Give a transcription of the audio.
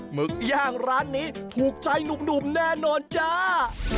หึกย่างร้านนี้ถูกใจหนุ่มแน่นอนจ้า